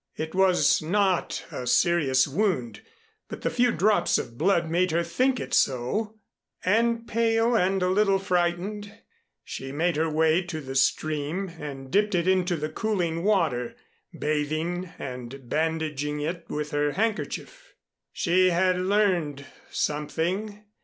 It was not a serious wound, but the few drops of blood made her think it so; and, pale and a little frightened, she made her way to the stream and dipped it into the cooling water, bathing and bandaging it with her handkerchief. She had learned something.